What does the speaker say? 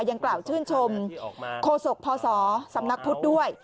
ยังกล่าวชื่นชมโคศกพศสำนักพุทธด้วย